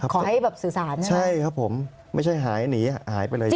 ขอให้แบบสื่อสารนะครับใช่ครับผมไม่ใช่หายหนีหายไปเลย